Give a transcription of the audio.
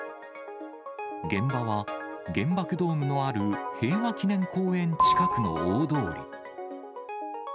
現場は、原爆ドームのある平和記念公園近くの大通り。